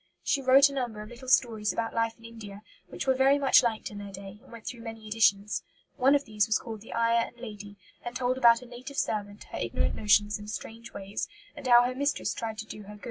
She wrote a number of little stories about life in India, which were very much liked in their day and went through many editions. One of these was called The Ayah and Lady, and told about a native servant, her ignorant notions and strange ways, and how her mistress tried to do her good.